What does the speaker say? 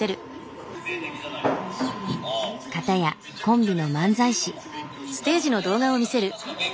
かたやコンビの漫才師。